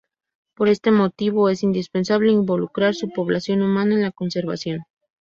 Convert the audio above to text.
Por este motivo, es indispensable involucrar su población humana en la conservación.